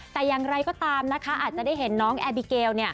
แต่อย่างไรก็ตามอาจจะได้เห็นน้องเอบิเกลล์